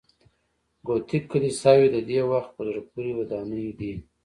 ګوتیک کلیساوې د دې وخت په زړه پورې ودانۍ دي.